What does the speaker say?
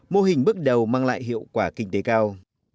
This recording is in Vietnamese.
mô hình bước đầu mang lại hiệu quả kinh tế cao